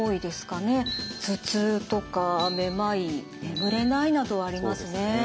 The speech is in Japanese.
「頭痛」とか「めまい」「眠れない」などありますね。